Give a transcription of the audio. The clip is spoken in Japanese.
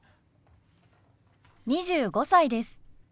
２５歳です。